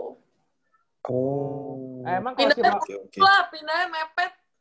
pindahnya mepet lah pindahnya mepet